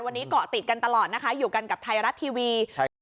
วันนี้เกาะติดกันตลอดนะคะอยู่กันกับไทยรัฐทีวีใช่ครับ